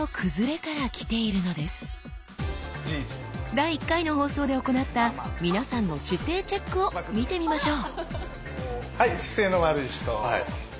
第１回の放送で行った皆さんの姿勢チェックを見てみましょう